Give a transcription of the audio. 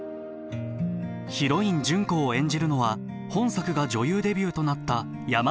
ヒロイン純子を演じるのは本作が女優デビューとなった山口智子。